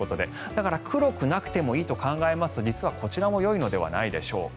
だから黒くなくてもいいと考えますと実はこちらもよいのではないでしょうか。